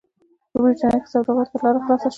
په برېټانیا کې سوداګرو ته لار خلاصه شوه.